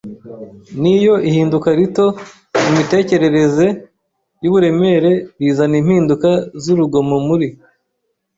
niyo ihinduka rito mumitekerereze yuburemere bizana impinduka zurugomo muri